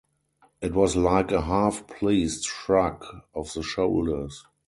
It was like a half-pleased shrug of the shoulders.